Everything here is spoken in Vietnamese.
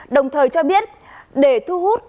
đồng thời cho biết để thu hút